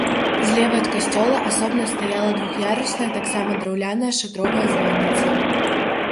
Злева ад касцёла асобна стаяла двух'ярусная таксама драўляная шатровая званіца.